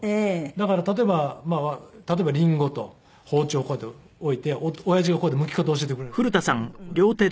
だから例えばリンゴと包丁をこうやって置いて親父がこうやってむき方教えてくれるんですよ。